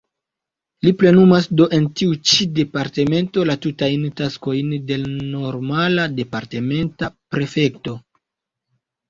Li plenumas do en tiu ĉi departemento la tutajn taskojn de normala, departementa prefekto.